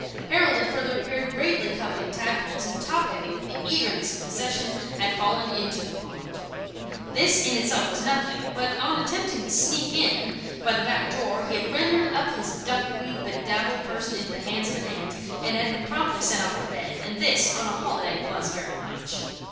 Harold, it further appeared, greatly coveting tadpoles, and top heavy with the eagerness of possession, had fallen into the pond. This, in itself, was nothing; but on attempting to sneak in by the back door, he had rendered up his duckweed bedabbled person into the hands of an aunt, and had been promptly sent off to bed; and this, on a holiday, was very much.